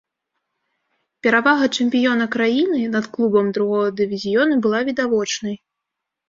Перавага чэмпіёна краіны над клубам другога дывізіёна была відавочнай.